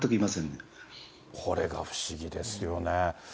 これが不思議ですよね。